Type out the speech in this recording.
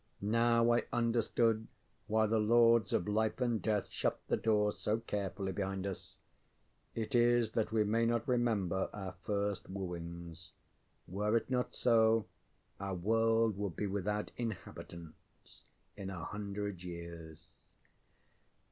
Now I understood why the Lords of Life and Death shut the doors so carefully behind us. It is that we may not remember our first wooings. Were it not so, our world would be without inhabitants in a hundred years.